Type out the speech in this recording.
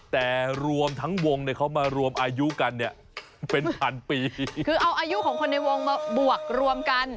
แต่รวมทั้งวงเนี่ยเขามารวมอายุกันเนี่ยเป็นพันปีคือเอาอายุของคนในวงมาบวกรวมกัน